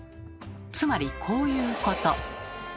つまりこういうこと。